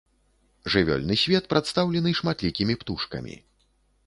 Жывёльны свет прадстаўлены шматлікімі птушкамі.